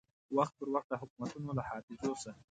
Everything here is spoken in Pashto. وخت پر وخت د حکومتو له حافظو سه